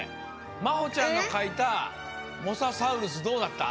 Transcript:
まほちゃんのかいたモササウルスどうだった？